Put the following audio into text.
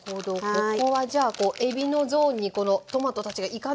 ここはじゃあえびのゾーンにこのトマトたちが行かないように。